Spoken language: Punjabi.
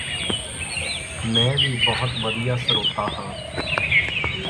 ਵੀ ਮੈਂ ਬਹੁਤ ਵਧੀਆ ਸਰੋਤਾ ਹਾਂ